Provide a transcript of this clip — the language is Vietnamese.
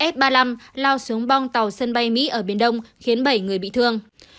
f ba mươi năm lao xuống bong tàu sân bay mỹ ở biển đông khiến bảy người bị thương